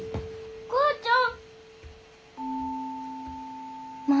お母ちゃん！